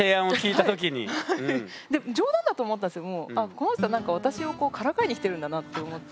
この人は私をからかいにきてるんだなと思って。